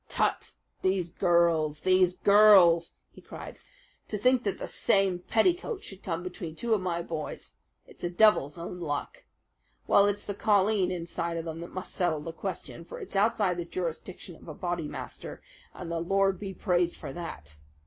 "Tut! These girls! These girls!" he cried. "To think that the same petticoats should come between two of my boys! It's the devil's own luck! Well, it's the colleen inside of them that must settle the question; for it's outside the jurisdiction of a Bodymaster and the Lord be praised for that!